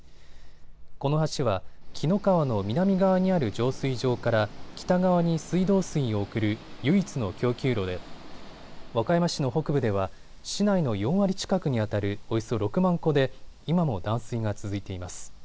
この橋は紀の川の南側にある浄水場から北側に水道水を送る唯一の供給路で和歌山市の北部では市内の４割近くにあたるおよそ６万戸で今も断水が続いています。